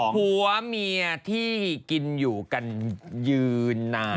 ผัวเมียที่กินอยู่กันยืนนาน